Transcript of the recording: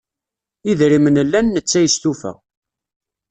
Idrimen llan netta yestufa.